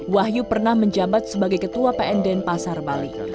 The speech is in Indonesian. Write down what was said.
wahyu pernah menjabat sebagai ketua pn denpasar bali